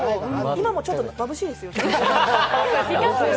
今もちょっとまぶしいですよ。